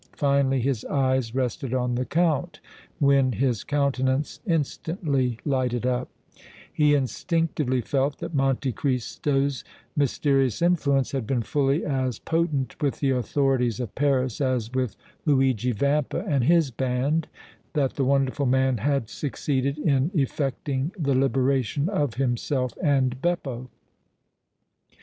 Finally his eyes rested on the Count, when his countenance instantly lighted up; he instinctively felt that Monte Cristo's mysterious influence had been fully as potent with the authorities of Paris as with Luigi Vampa and his band, that the wonderful man had succeeded in effecting the liberation of himself and Beppo.